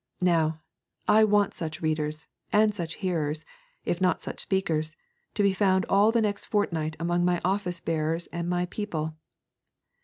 Now, I want such readers and such hearers, if not such speakers, to be found all the next fortnight among my office bearers and my people.